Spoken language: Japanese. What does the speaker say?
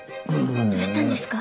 どうしたんですか？